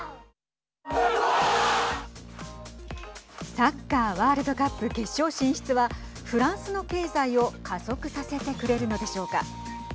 サッカーワールドカップ決勝進出はフランスの経済を加速させてくれるのでしょうか。